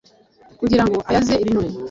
kugira ngo ayaze ibinure,